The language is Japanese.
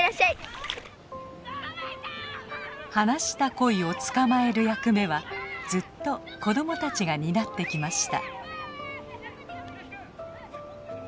放したコイを捕まえる役目はずっと子供たちが担ってきました。